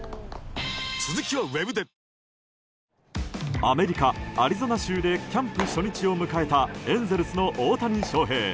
アメリカ・アリゾナ州でキャンプ初日を迎えたエンゼルスの大谷翔平。